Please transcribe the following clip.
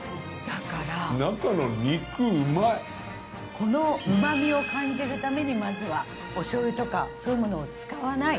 この旨みを感じるためにまずはお醤油とかそういうものを使わない。